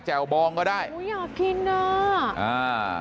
แจ่วบองก็ได้น้ำตาอุ๊ยอยากกินน่ะอ่า